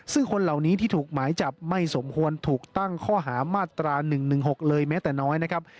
ซึ่งคนเหล่านี้ที่ถูกหมายจับไม่สมควรถูกตั้งข้อหามาตรา๑๑๖เลยแม้แต่น้อยนะครับ